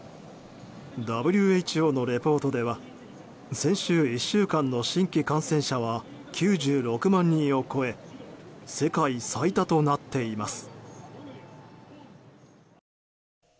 ＷＨＯのリポートでは先週１週間の新規感染者は９６万人を超え世界最多となっています。